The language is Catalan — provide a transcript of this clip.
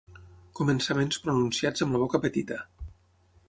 Començaments pronunciats amb la boca petita.